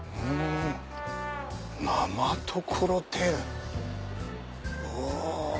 「生ところてん」うわ。